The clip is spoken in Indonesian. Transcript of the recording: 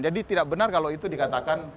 jadi tidak benar kalau itu dikatakan